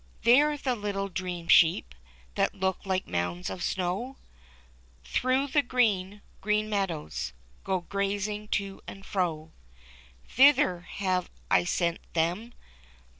There the little Dream Sheep, That look like mounds of snow, Tlirough the green, green meadows Go grazing to and fro. Thither have I sent them.